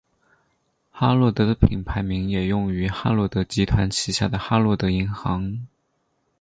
哈洛德的品牌名也用于哈洛德集团旗下的哈洛德银行。